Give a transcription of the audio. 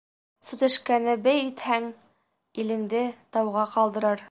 Сүтәшкәнебей итһәң, илеңде дауға ҡалдырыр.